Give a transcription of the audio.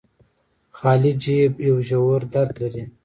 خالي جب يو ژور درد دې